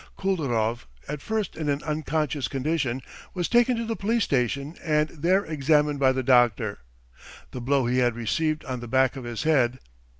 Kuldarov, at first in an unconscious condition, was taken to the police station and there examined by the doctor. The blow he had received on the back of his head.